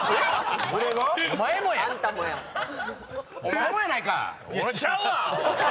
お前もやないか！